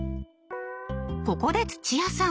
ここで土屋さん